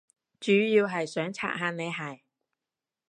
主要係想刷下你鞋